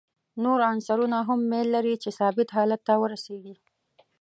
نور عنصرونه هم میل لري چې ثابت حالت ته ورسیږي.